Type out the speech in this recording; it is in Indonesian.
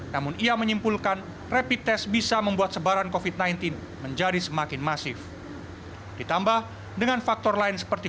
namun ia menyimpulkan rapid test bisa membuat sebaran covid sembilan belas menjadi semakin masif